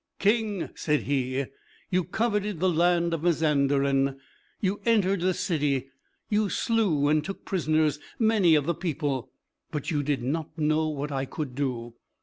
"King," said he, "you coveted the land of Mazanderan, you entered the city, you slew and took prisoners many of the people; but you did not know what I could do.